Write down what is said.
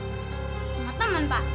sama teman pak